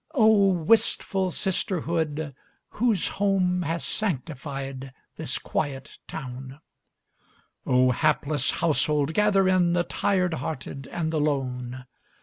Oh, wistful sisterhood, whose home Has sanctified this quiet town! Oh, hapless household, gather in The tired hearted and the lone!